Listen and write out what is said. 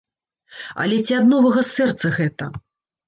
Але ці ад новага сэрца гэта?